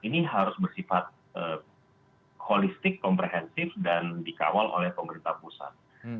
ini harus bersifat holistik komprehensif dan dikawal oleh pemerintah pusat